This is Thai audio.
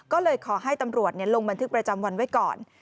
ก็เลยขอให้ตำรวจลงบันทึกประจำวันไว้ก่อน